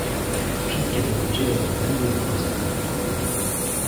Wszystkie te nadzieje legły w gruzach